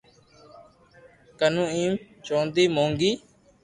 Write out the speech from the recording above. ڪنو ھيم چوندي مونگي